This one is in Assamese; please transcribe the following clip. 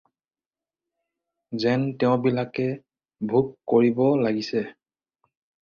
যেন তেওঁবিলাকে ভোগ কৰিব লাগিছে।